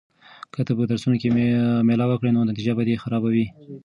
که ته په درسونو کې مېله وکړې نو نتیجه به دې خرابه وي.